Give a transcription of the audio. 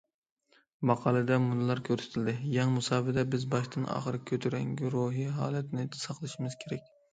ماقالىدە مۇنۇلار كۆرسىتىلدى: يېڭى مۇساپىدە، بىز باشتىن- ئاخىر كۆتۈرەڭگۈ روھىي ھالەتنى ساقلىشىمىز كېرەك.